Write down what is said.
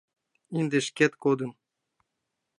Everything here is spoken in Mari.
Ынде шкет кодым.